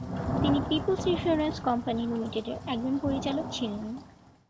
তিনি people's insurance company লিমিটেডের একজন পরিচালক ছিলেন।